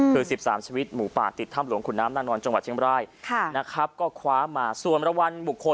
คือ๑๓ชาวิตหมู่ปากติดถ้ำหลวงขุนน้ำนางนอนจังหวัดเชียงบร้าย